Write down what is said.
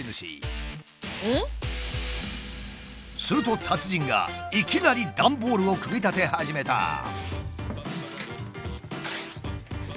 すると達人がいきなり段ボールを組み立て始めた。